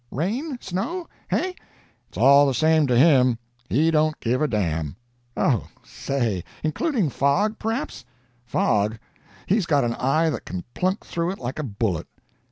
Rain? Snow? Hey?" "It's all the same to him. He don't give a damn." "Oh, say including fog, per'aps?" "Fog! he's got an eye 't can plunk through it like a bullet."